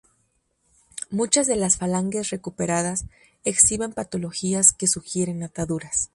Muchas de las falanges recuperadas exhiben patologías que sugieren ataduras.